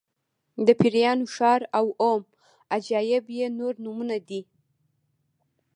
د پیریانو ښار او اووم عجایب یې نور نومونه دي.